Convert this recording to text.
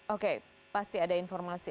oke pasti ada informasi